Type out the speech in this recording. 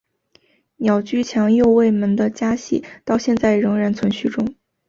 鸟居强右卫门的家系到现在仍然存续中。